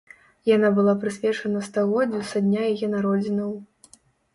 Яна была прысвечана стагоддзю са дня яе народзінаў.